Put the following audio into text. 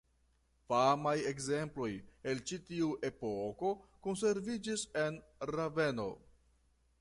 Famaj ekzemploj el ĉi tiu epoko konserviĝis en Raveno.